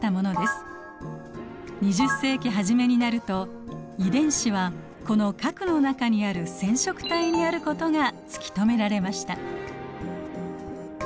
２０世紀初めになると遺伝子はこの核の中にある染色体にあることが突き止められました。